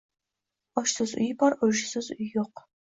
Oshsiz uy bor, urushsiz uy yo‘q.